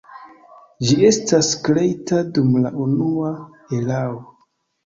Ĝi estas kreita dum la Unua Erao.